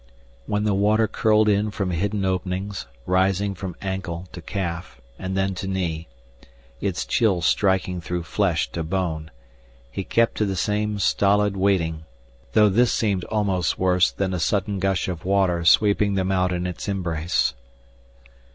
When the water curled in from hidden openings, rising from ankle to calf and then to knee, its chill striking through flesh to bone, he kept to the same stolid waiting, though this seemed almost worse than a sudden gush of water sweeping them out in its embrace.